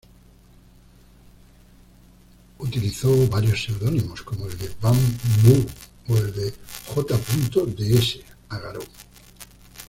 Utilizó varios seudónimos como el de Bam-bhú o el de J. de S´Agaró.